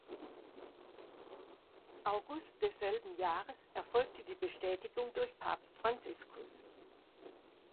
August desselben Jahres erfolgte die Bestätigung durch Papst Franziskus.